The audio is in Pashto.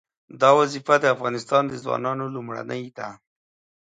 دا وظیفه د افغانستان د ځوانانو لومړنۍ ده.